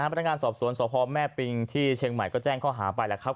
พนักงานสอบสวนสพแม่ปิงที่เชียงใหม่ก็แจ้งข้อหาไปแล้วครับ